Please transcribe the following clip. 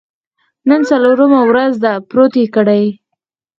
نن څلورمه ورځ ده، پروت یې کړی.